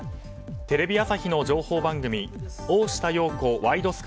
テレビ朝日の情報番組「大下容子ワイド！